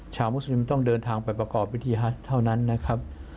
มุสลิมต้องเดินทางไปประกอบวิธีฮัสเท่านั้นนะครับ